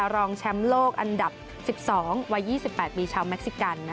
รองแชมป์โลกอันดับ๑๒วัย๒๘ปีชาวเม็กซิกัน